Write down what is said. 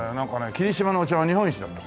霧島のお茶が日本一だった。